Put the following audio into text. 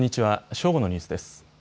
正午のニュースです。